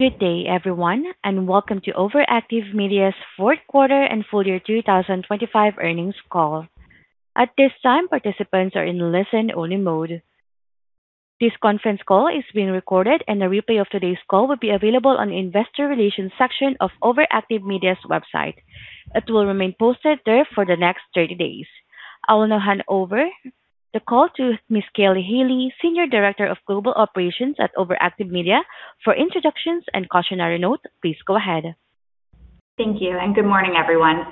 Good day everyone, welcome to OverActive Media's Q4 and full year 2025 earnings call. At this time, participants are in listen-only mode. This conference call is being recorded, and a replay of today's call will be available on the investor relations section of OverActive Media's website. It will remain posted there for the next 30 days. I will now hand over the call to Ms. Kelly Haley, Senior Director of Global Operations at OverActive Media, for introductions and cautionary notes. Please go ahead. Thank you, and good morning, everyone.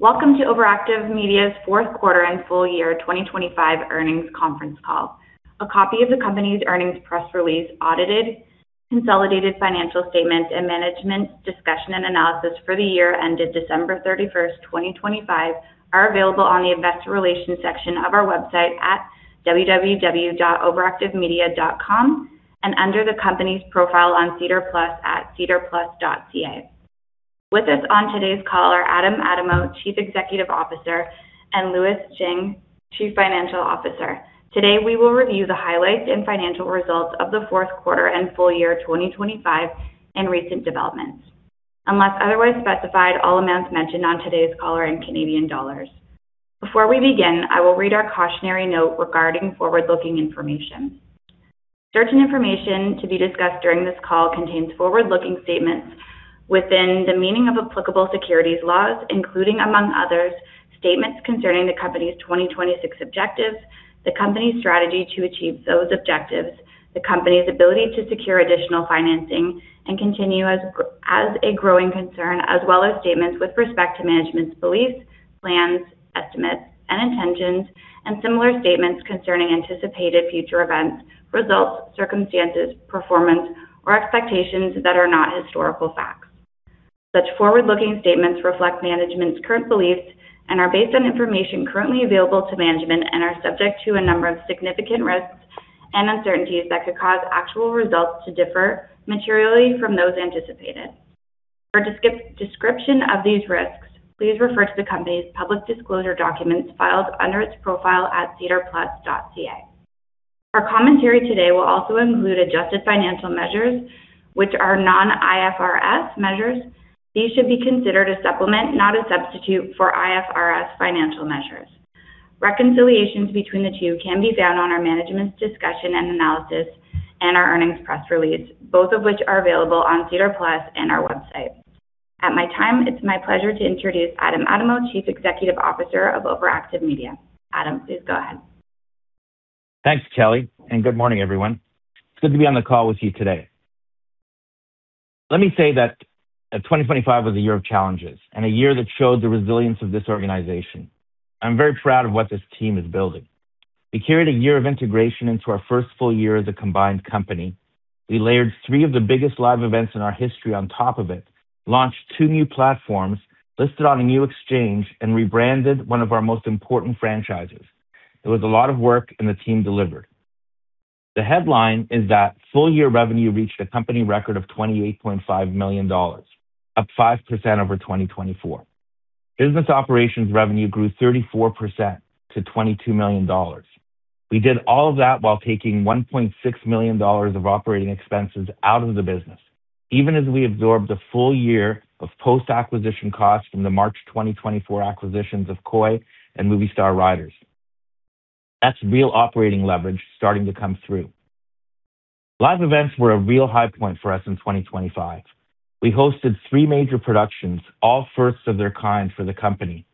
Welcome to OverActive Media's Q4 and full-year 2025 earnings conference call. A copy of the company's earnings press release, audited, consolidated financial statements, and Management Discussion and Analysis for the year ended December 31, 2025 are available on the investor relations section of our website at www.overactivemedia.com and under the company's profile on SEDAR+ at sedarplus.ca. With us on today's call are Adam Adamou, Chief Executive Officer, and Louis Zhang, Chief Financial Officer. Today, we will review the highlights and financial results of the Q4 and full-year 2025 and recent developments. Unless otherwise specified, all amounts mentioned on today's call are in CAD. Before we begin, I will read our cautionary note regarding forward-looking information. Certain information to be discussed during this call contains forward-looking statements within the meaning of applicable securities laws, including, among others, statements concerning the company's 2026 objectives, the company's strategy to achieve those objectives, the company's ability to secure additional financing and continue as a growing concern as well as statements with respect to management's beliefs, plans, estimates, and intentions, and similar statements concerning anticipated future events, results, circumstances, performance or expectations that are not historical facts. Such forward-looking statements reflect management's current beliefs and are based on information currently available to management and are subject to a number of significant risks and uncertainties that could cause actual results to differ materially from those anticipated. For description of these risks, please refer to the company's public disclosure documents filed under its profile at sedarplus.ca. Our commentary today will also include adjusted financial measures, which are non-IFRS measures. These should be considered a supplement, not a substitute, for IFRS financial measures. Reconciliations between the two can be found on our Management's Discussion and Analysis and our earnings press release, both of which are available on SEDAR+ and our website. At my time, it's my pleasure to introduce Adam Adamou, Chief Executive Officer of OverActive Media. Adam, please go ahead. Thanks, Kelly. Good morning, everyone. It's good to be on the call with you today. Let me say that 2025 was a year of challenges and a year that showed the resilience of this organization. I'm very proud of what this team is building. We carried a year of integration into our first full-year as a combined company. We layered three of the biggest live events in our history on top of it, launched two new platforms, listed on a new exchange, and rebranded one of our most important franchises. It was a lot of work, and the team delivered. The headline is that full-year revenue reached a company record of 28.5 million dollars, up 5% over 2024. Business operations revenue grew 34% to 22 million dollars. We did all of that while taking 1.6 million dollars of operating expenses out of the business, even as we absorbed a full-year of post-acquisition costs from the March 2024 acquisitions of KOI and Movistar Riders. That's real operating leverage starting to come through. Live events were a real high point for us in 2025. We hosted three major productions, all firsts of their kind for the company.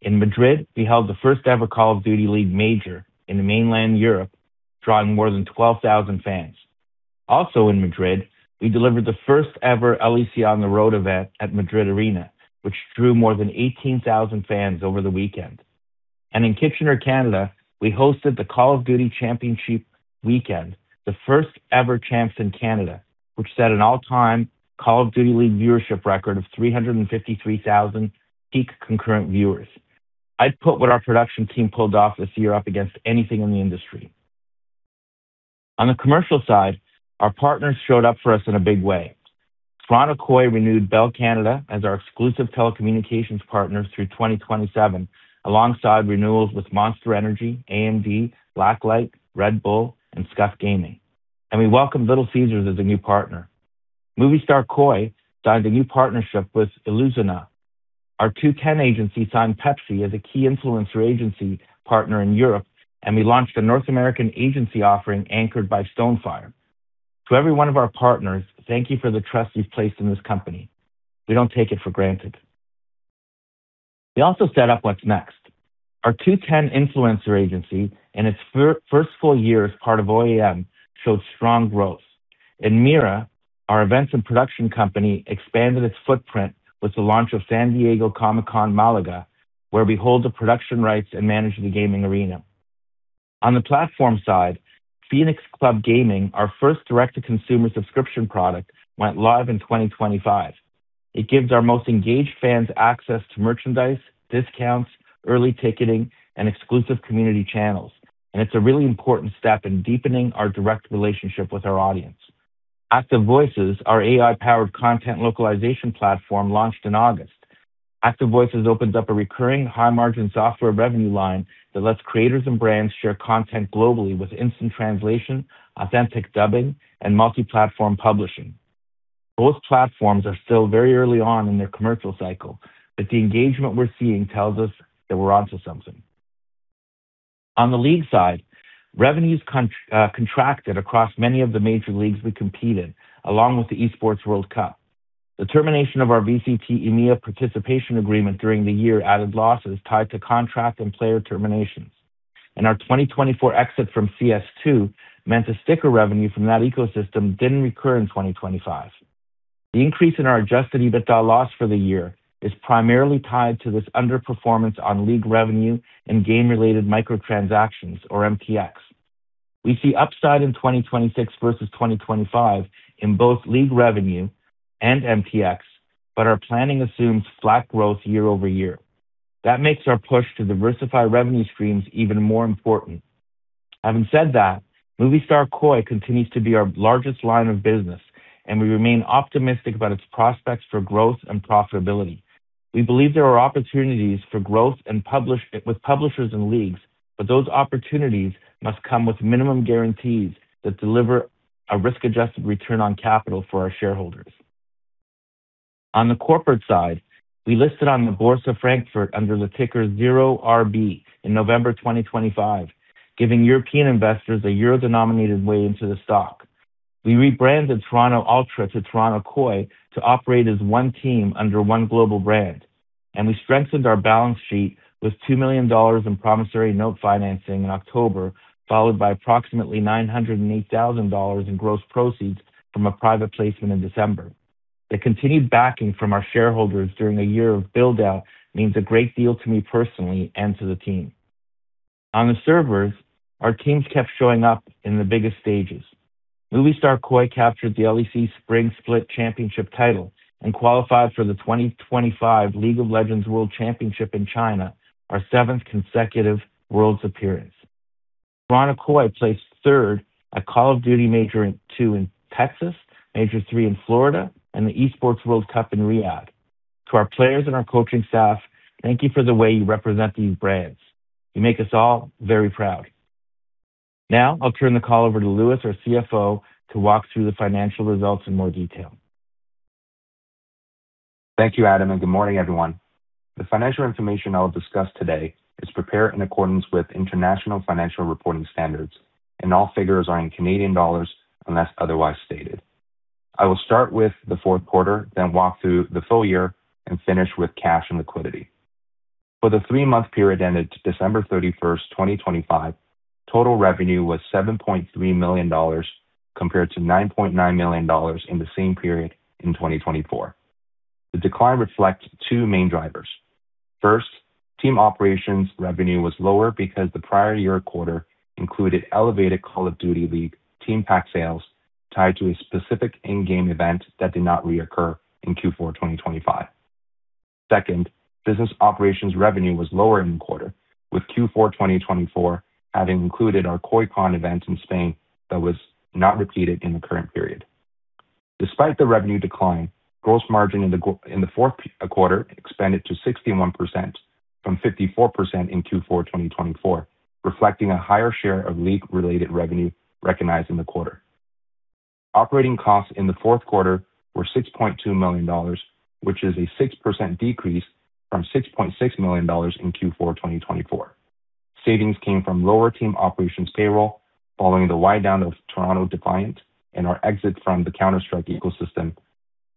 In Madrid, we held the first-ever Call of Duty League Major in mainland Europe, drawing more than 12,000 fans. Also, in Madrid, we delivered the first ever LEC on the Road event at Madrid Arena, which drew more than 18,000 fans over the weekend. In Kitchener, Canada, we hosted the Call of Duty Championship weekend, the first ever Champs in Canada, which set an all-time Call of Duty League viewership record of 353,000 peak concurrent viewers. I'd put what our production team pulled off this year up against anything in the industry. On the commercial side, our partners showed up for us in a big way. Front of KOI renewed Bell Canada as our exclusive telecommunications partner through 2027, alongside renewals with Monster Energy, AMD, Blacklyte, Red Bull, and Scuf Gaming. We welcomed Little Caesars as a new partner. Movistar KOI signed a new partnership with Ilusiona. Our 2:10 Agency signed Pepsi as a key influencer agency partner in Europe, and we launched a North American agency offering anchored by Stonefire. To every one of our partners, thank you for the trust you've placed in this company. We don't take it for granted. We also set up what's next. Our 2:10 Agency, in its first full-year as part of OAM, showed strong growth. Mira, our events and production company, expanded its footprint with the launch of San Diego Comic-Con Málaga, where we hold the production rights and manage the gaming arena. On the platform side, Fénix Club Gaming, our first direct-to-consumer subscription product, went live in 2025. It gives our most engaged fans access to merchandise, discounts, early ticketing, and exclusive community channels, and it's a really important step in deepening our direct relationship with our audience. ActiveVoices, our AI-powered content localization platform, launched in August. ActiveVoices opens up a recurring high-margin software revenue line that lets creators and brands share content globally with instant translation, authentic dubbing, and multi-platform publishing. Both platforms are still very early on in their commercial cycle, but the engagement we're seeing tells us that we're onto something. On the league side, revenues contracted across many of the major leagues we competed along with the Esports World Cup. The termination of our VCT EMEA participation agreement during the year added losses tied to contract and player terminations. Our 2024 exit from CS2 meant the sticker revenue from that ecosystem didn't recur in 2025. The increase in our adjusted EBITDA loss for the year is primarily tied to this underperformance on league revenue and game-related microtransactions, or MTX. We see upside in 2026 versus 2025 in both league revenue and MTX, but our planning assumes flat growth year-over-year. That makes our push to diversify revenue streams even more important. Having said that, Movistar KOI continues to be our largest line of business, and we remain optimistic about its prospects for growth and profitability. We believe there are opportunities for growth with publishers and leagues, but those opportunities must come with minimum guarantees that deliver a risk-adjusted return on capital for our shareholders. On the corporate side, we listed on the Börse Frankfurt under the ticker 0RB in November 2025, giving European investors a euro-denominated way into the stock. We rebranded Toronto Ultra to Toronto KOI to operate as one team under one global brand, and we strengthened our balance sheet with 2 million dollars in promissory note financing in October, followed by approximately 908,000 dollars in gross proceeds from a private placement in December. The continued backing from our shareholders during a year of build-out means a great deal to me personally and to the team. On the servers, our teams kept showing up in the biggest stages. Movistar KOI captured the LEC Spring Split Championship title and qualified for the 2025 League of Legends World Championship in China, our seventh consecutive Worlds appearance. Toronto KOI placed third at Call of Duty Major Two in Texas, Major Three in Florida, and the Esports World Cup in Riyadh. To our players and our coaching staff, thank you for the way you represent these brands. You make us all very proud. Now, I'll turn the call over to Louis, our CFO, to walk through the financial results in more detail. Thank you, Adam, and good morning, everyone. The financial information I will discuss today is prepared in accordance with International Financial Reporting Standards, and all figures are in Canadian dollars unless otherwise stated. I will start with the Q4, then walk through the full year and finish with cash and liquidity. For the three-month period ended December 31, 2025, total revenue was 7.3 million dollars compared to 9.9 million dollars in the same period in 2024. The decline reflects two main drivers. First, team operations revenue was lower because the prior year quarter included elevated Call of Duty League Team Pack sales tied to a specific in-game event that did not reoccur in Q4 2025. Second, business operations revenue was lower in the quarter, with Q4 2024 having included our KOI Con event in Spain that was not repeated in the current period. Despite the revenue decline, gross margin in the Q4 expanded to 61% from 54% in Q4 2024, reflecting a higher share of league-related revenue recognized in the quarter. Operating costs in the Q4 were 6.2 million dollars, which is a 6% decrease from 6.6 million dollars in Q4 2024. Savings came from lower team operations payroll following the wind down of Toronto Defiant and our exit from the Counter-Strike ecosystem,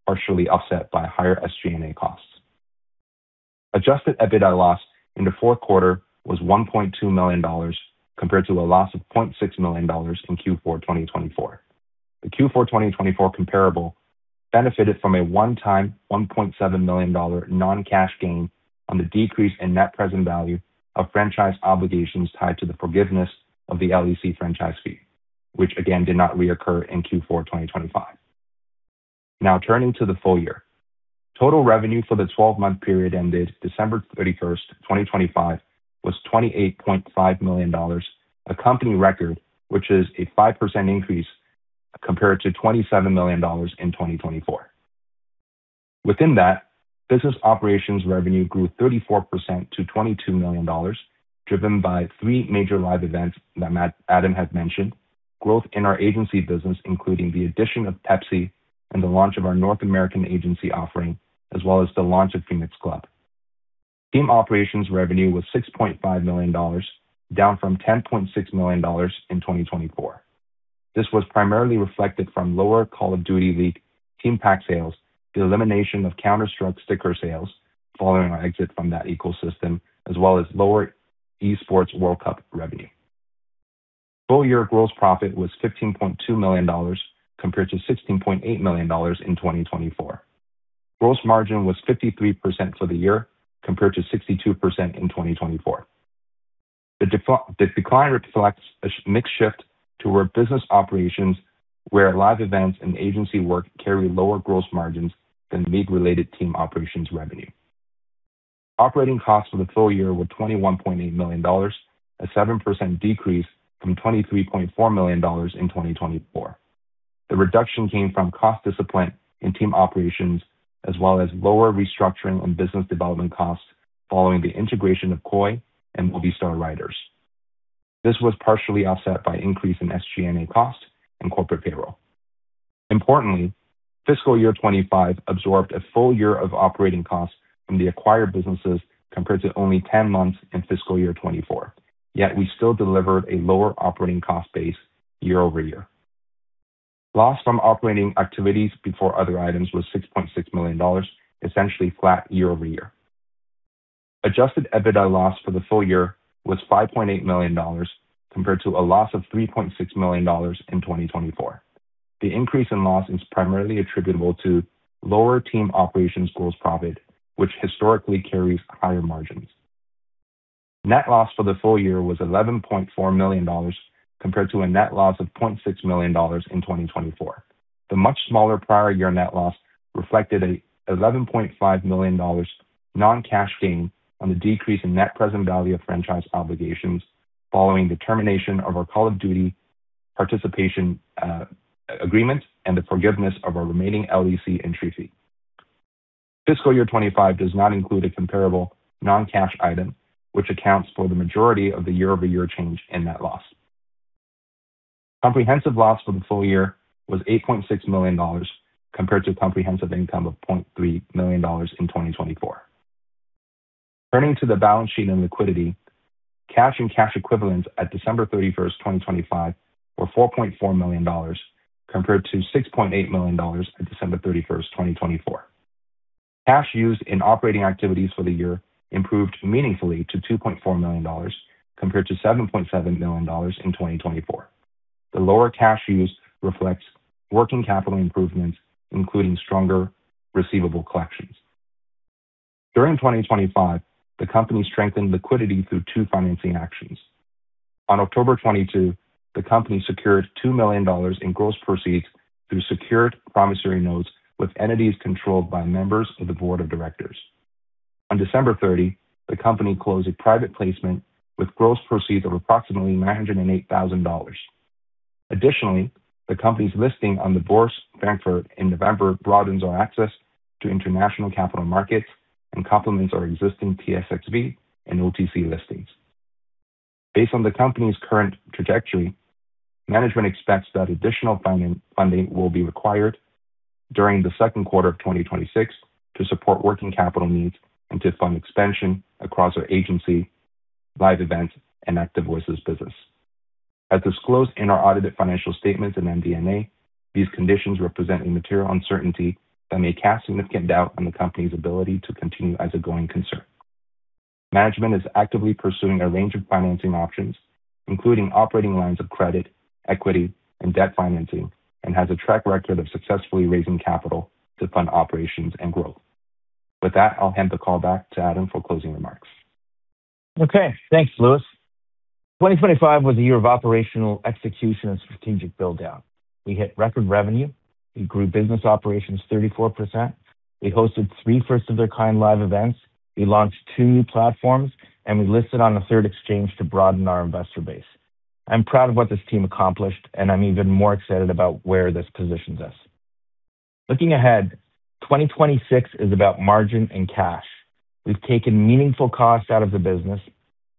partially offset by higher SG&A costs. Adjusted EBITDA loss in the Q4 was 1.2 million dollars compared to a loss of 0.6 million dollars in Q4 2024. The Q4 2024 comparable benefited from a one-time 1.7 million dollar non-cash gain on the decrease in net present value of franchise obligations tied to the forgiveness of the LEC franchise fee, which again did not reoccur in Q4 2025. Now turning to the full-year. Total revenue for the 12-month period ended December 31, 2025 was 28.5 million dollars, a company record, which is a 5% increase compared to 27 million dollars in 2024. Within that, business operations revenue grew 34% to 22 million dollars, driven by three major live events that Adam had mentioned, growth in our agency business, including the addition of Pepsi and the launch of our North American agency offering, as well as the launch of Fénix Club. Team operations revenue was 6.5 million dollars, down from 10.6 million dollars in 2024. This was primarily reflected from lower Call of Duty League Team Pack sales, the elimination of Counter-Strike sticker sales following our exit from that ecosystem, as well as lower Esports World Cup revenue. Full-year gross profit was 15.2 million dollars compared to 16.8 million dollars in 2024. Gross margin was 53% for the year compared to 62% in 2024. The decline reflects a mixed shift toward business operations where live events and agency work carry lower gross margins than league-related team operations revenue. Operating costs for the full-year were 21.8 million dollars, a 7% decrease from 23.4 million dollars in 2024. The reduction came from cost discipline in team operations as well as lower restructuring and business development costs following the integration of KOI and Movistar Riders. This was partially offset by increase in SG&A costs and corporate payroll. Importantly, FY 2025 absorbed a full-year of operating costs from the acquired businesses compared to only 10 months in FY 2024, yet we still delivered a lower operating cost base year-over-year. Loss from operating activities before other items was 6.6 million dollars, essentially flat year-over-year. Adjusted EBITDA loss for the full-year was 5.8 million dollars compared to a loss of 3.6 million dollars in 2024. The increase in loss is primarily attributable to lower team operations gross profit, which historically carries higher margins. Net loss for the full-year was 11.4 million dollars compared to a net loss of 0.6 million dollars in 2024. The much smaller prior year net loss reflected a 11.5 million dollars non-cash gain on the decrease in net present value of franchise obligations following the termination of our Call of Duty participation agreement and the forgiveness of our remaining LEC entry fee. FY 2025 does not include a comparable non-cash item, which accounts for the majority of the year-over-year change in net loss. Comprehensive loss for the full year was 8.6 million dollars compared to comprehensive income of 0.3 million dollars in 2024. Turning to the balance sheet and liquidity, cash and cash equivalents at December 31, 2025 were CAD 4.4 million compared to CAD 6.8 million at December 31, 2024. Cash used in operating activities for the year improved meaningfully to 2.4 million dollars compared to 7.7 million dollars in 2024. The lower cash used reflects working capital improvements, including stronger receivable collections. During 2025, the company strengthened liquidity through two financing actions. On October 22, the company secured 2 million dollars in gross proceeds through secured promissory notes with entities controlled by members of the Board of directors. On December 30, the company closed a private placement with gross proceeds of approximately 908,000 dollars. Additionally, the company's listing on the Börse Frankfurt in November broadens our access to international capital markets and complements our existing TSXV and OTC listings. Based on the company's current trajectory, management expects that additional funding will be required during the Q2 2026 to support working capital needs and to fund expansion across our agency, live events, and ActiveVoices business. As disclosed in our audited financial statements and MD&A, these conditions represent a material uncertainty that may cast significant doubt on the company's ability to continue as a going concern. Management is actively pursuing a range of financing options, including operating lines of credit, equity, and debt financing, and has a track record of successfully raising capital to fund operations and growth. With that, I'll hand the call back to Adam for closing remarks. Okay. Thanks, Louis. 2025 was a year of operational execution and strategic build-out. We hit record revenue. We grew business operations 34%. We hosted three first-of-their-kind live events. We launched two new platforms, and we listed on a third exchange to broaden our investor base. I'm proud of what this team accomplished, and I'm even more excited about where this positions us. Looking ahead, 2026 is about margin and cash. We've taken meaningful costs out of the business.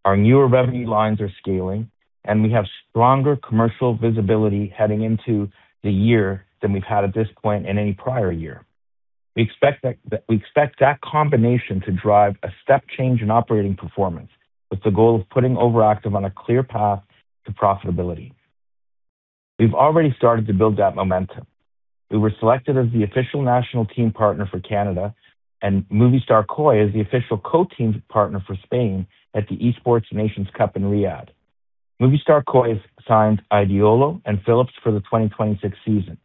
Our newer revenue lines are scaling, and we have stronger commercial visibility heading into the year than we've had at this point in any prior year. We expect that combination to drive a step change in operating performance with the goal of putting OverActive on a clear path to profitability. We've already started to build that momentum. We were selected as the official national team partner for Canada and Movistar KOI as the official co-team partner for Spain at the Esports Nations Cup in Riyadh. Movistar KOI signed Idealo and Philips for the 2026 season.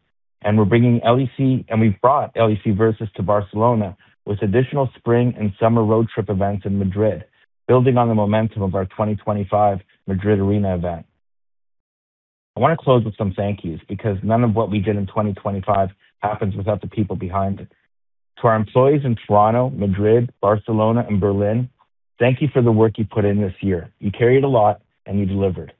We've brought LEC Versus to Barcelona with additional spring and summer road trip events in Madrid, building on the momentum of our 2025 Madrid Arena event. I want to close with some thank yous because none of what we did in 2025 happens without the people behind it. To our employees in Toronto, Madrid, Barcelona, and Berlin, thank you for the work you put in this year. You carried a lot, and you delivered.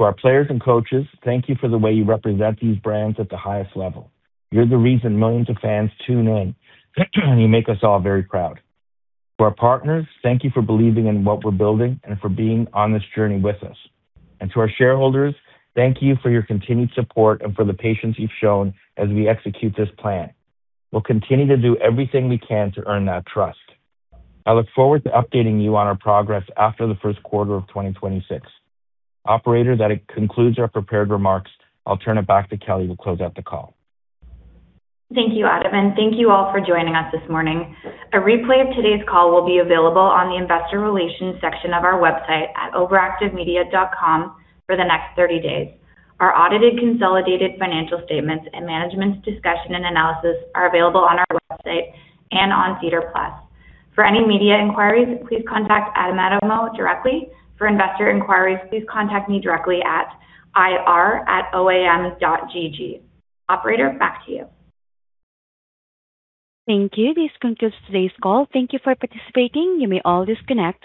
To our players and coaches, thank you for the way you represent these brands at the highest level. You're the reason millions of fans tune in and you make us all very proud. To our partners, thank you for believing in what we're building and for being on this journey with us. To our shareholders, thank you for your continued support and for the patience you've shown as we execute this plan. We'll continue to do everything we can to earn that trust. I look forward to updating you on our progress after the Q1 2026. Operator, that concludes our prepared remarks. I'll turn it back to Kelly to close out the call. Thank you, Adam. Thank you all for joining us this morning. A replay of today's call will be available on the investor relations section of our website at overactivemedia.com for the next 30 days. Our audited consolidated financial statements and management's discussion and analysis are available on our website and on SEDAR+. For any media inquiries, please contact Adam Adamou directly. For investor inquiries, please contact me directly at ir@oam.gg. Operator, back to you. Thank you. This concludes today's call. Thank you for participating. You may all disconnect.